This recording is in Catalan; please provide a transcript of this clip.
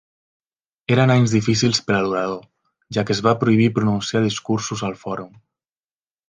Eren anys difícils per a l'orador, ja que es va prohibir pronunciar discursos al fòrum.